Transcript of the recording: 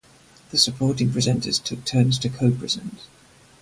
The supporting presenters took turns to co-present.